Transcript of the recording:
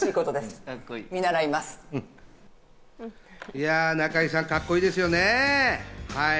いや、中井さん、カッコいいですよね。